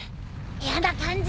やな感じ！